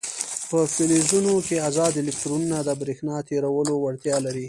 په فلزونو کې ازاد الکترونونه د برېښنا تیرولو وړتیا لري.